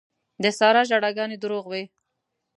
د سارا ژړاګانې دروغ وې.